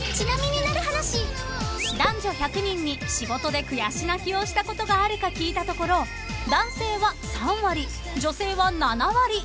［男女１００人に仕事で悔し泣きをしたことがあるか聞いたところ男性は３割女性は７割という結果に］